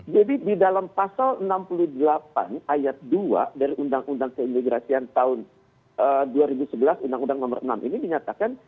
jadi di dalam pasal enam puluh delapan ayat dua dari undang undang keimigrasian tahun dua ribu sebelas undang undang nomor enam ini dinyatakan